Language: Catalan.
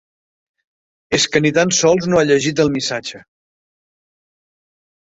És que ni tan sols no ha llegit el missatge.